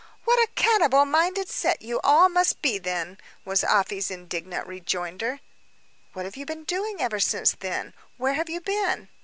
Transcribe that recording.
"What a cannibal minded set you all must be, then!" was Afy's indignant rejoinder. "What have you been doing ever since, then? Where have you been?"